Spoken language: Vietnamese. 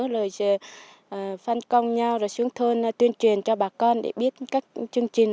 rồi phân công nhau rồi xuống thôn tuyên truyền cho bà con để biết các chương trình